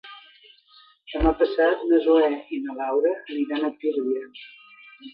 Demà passat na Zoè i na Laura aniran a Tírvia.